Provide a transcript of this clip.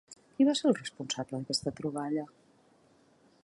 Qui va ser el responsable d'aquesta troballa?